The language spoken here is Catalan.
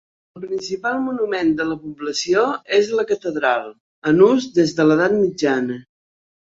El principal monument de la població és la catedral, en ús des de l'edat mitjana.